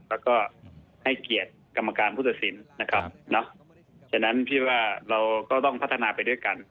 แล้วก็ให้เกียรติกรรมการผู้ตัดสินนะครับฉะนั้นพี่ว่าเราก็ต้องพัฒนาไปด้วยกัน